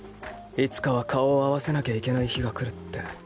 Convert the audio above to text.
いつかは顔を合わせなきゃいけない日が来るって。